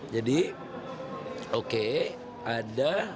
jadi oke ada